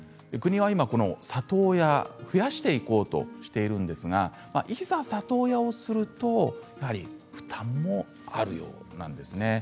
国は今、里親を増やしていこうとしているんですがいざ里親をするとやはり負担もあるようなんです。